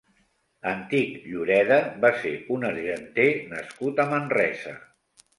Antic Lloreda va ser un argenter nascut a Manresa.